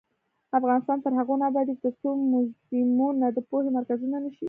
افغانستان تر هغو نه ابادیږي، ترڅو موزیمونه د پوهې مرکزونه نشي.